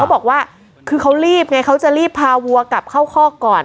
บอกว่าคือเขารีบไงเขาจะรีบพาวัวกลับเข้าคอกก่อน